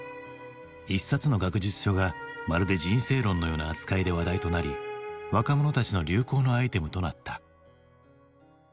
一冊の学術書がまるで人生論のような扱いで話題となり若者たちの流行のアイテムとなった。